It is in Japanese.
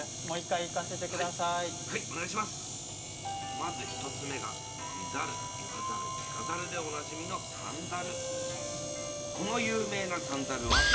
まず１つ目が「見ざる言わざる聞かざる」でおなじみの三猿